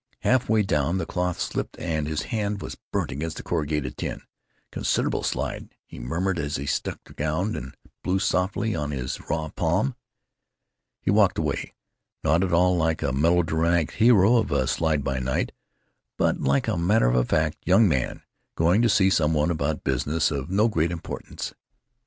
Half way down, the cloth slipped and his hand was burnt against the corrugated tin. "Consid'able slide," he murmured as he struck the ground and blew softly on his raw palm. He walked away—not at all like a melodramatic hero of a slide by night, but like a matter of fact young man going to see some one about business of no great importance.